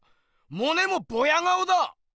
モネもボヤ顔だ！